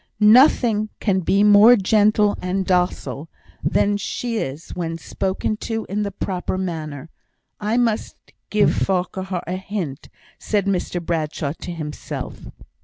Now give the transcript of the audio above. "Nothing can be more gentle and docile than she is when spoken to in the proper manner. I must give Farquhar a hint," said Mr Bradshaw to himself.